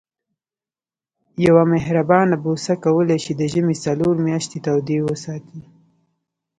یوه مهربانه بوسه کولای شي د ژمي څلور میاشتې تودې وساتي.